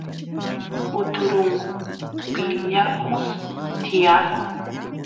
uturungu piñakus tiyan